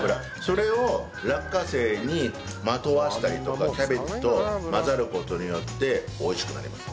それを落花生にまとわせたりとかキャベツと混ざる事によって美味しくなります。